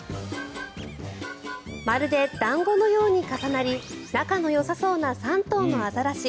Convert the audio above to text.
まるで団子のように重なり仲のよさそうな３頭のアザラシ。